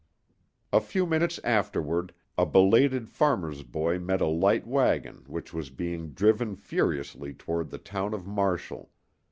A few minutes afterward a belated farmer's boy met a light wagon which was being driven furiously toward the town of Marshall.